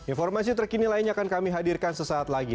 informasi terkini lainnya akan kami hadirkan sesaat lagi